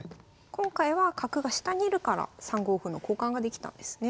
今回は角が下にいるから３五歩の交換ができたんですね。